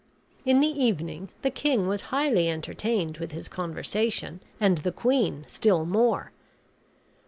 In the evening the king was highly entertained with his conversation, and the queen still more.